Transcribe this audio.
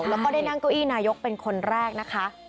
แล้วก็ได้นั่งเก้าอี้นายกเป็นคนแรกนะคะ